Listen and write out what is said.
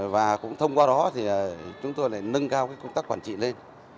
và cũng thông qua đó thì chúng tôi lại nâng cao công tác quản trị lên